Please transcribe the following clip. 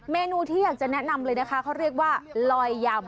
เมนูที่อยากจะแนะนำเลยนะคะเขาเรียกว่าลอยยำ